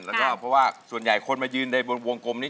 แล้วก็เพราะว่าส่วนใหญ่คนมายืนในวงกลมนี้